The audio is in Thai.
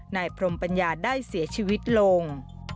นายพรมปัญญาได้เสียชีวิตลง